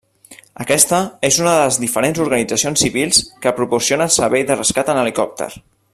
Aquesta és una de les diferents organitzacions civils que proporcionen servei de rescat en helicòpter.